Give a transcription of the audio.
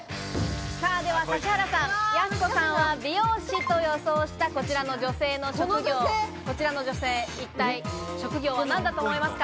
では指原さん、やす子さんは美容師と予想したこちらの女性の職業、一体職業は何だと思いますか？